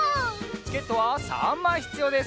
チケットは３まいひつようです。